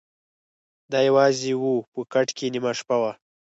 د ا یوازي وه په کټ کي نیمه شپه وه